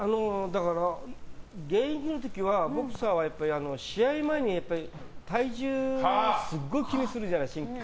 現役の時は、ボクサーは試合前に体重をすごく気にするじゃない。